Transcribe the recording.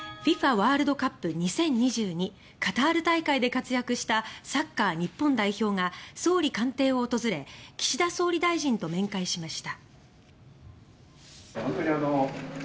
ワールドカップ２０２２カタール大会で活躍したサッカー日本代表が総理官邸を訪れ岸田総理大臣と面会しました。